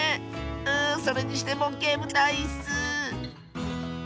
うそれにしてもけむたいッス。